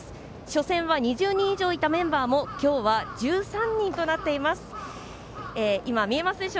初戦は２０人以上いたメンバーも今日は１３人となっています。